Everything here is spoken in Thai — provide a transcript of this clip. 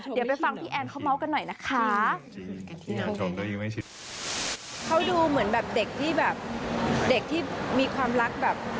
โดนโชว์ไม่ชินเหรอจริงจริง